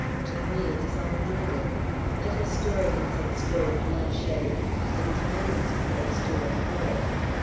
To me, it is all murder. Let historians extol blood shedding; it is woman's place to abhor it.